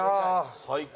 最高。